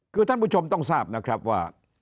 คือท่านผู้ชมต้องทราบนะครับว่า